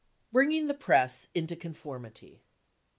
Bringing the Press cc into Conformity."